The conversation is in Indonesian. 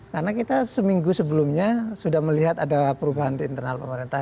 karena kita seminggu sebelumnya sudah melihat ada perubahan di internal pemerintah